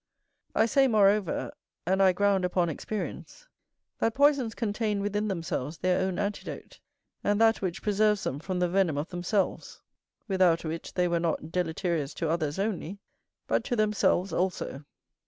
I say moreover, and I ground upon experience, that poisons contain within themselves their own antidote, and that which preserves them from the venom of themselves; without which they were not deleterious to others only, but to themselves also.